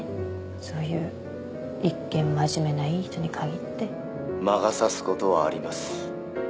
そういう一見真面目ないい人に限って「魔が差すことはあります」